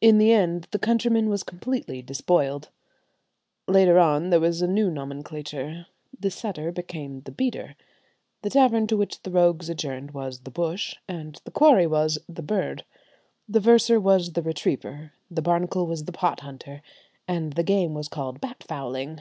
In the end the countryman was completely despoiled. Later on there was a new nomenclature: the setter became the "beater," the tavern to which the rogues adjourned was the "bush," and the quarry was the "bird." The verser was the "retriever," the barnacle was the "pot hunter," and the game was called "bat fowling."